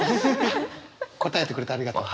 答えてくれてありがとう。